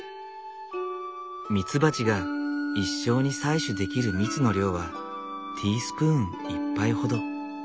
ミツバチが一生に採取できる蜜の量はティースプーン１杯ほど。